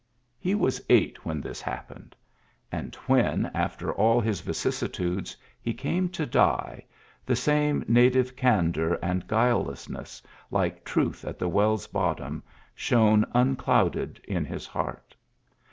'' He was eight when this happened ; and when, after all his vicissitudes, he came to die, the same native candour and guilelessness, like truth at the well's bottom, shone unclouded in his heart.